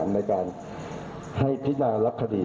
ในการให้พิจารณารับคดี